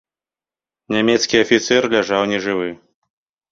Нямецкі афіцэр ляжаў нежывы.